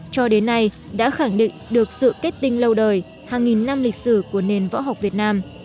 cho đến nay đã khẳng định được sự kết tinh lâu đời hàng nghìn năm lịch sử của nền võ học việt nam